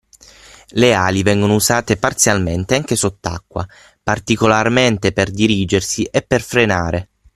Le ali vengono usate parzialmente anche sott’acqua, particolarmente per dirigersi e per frenare.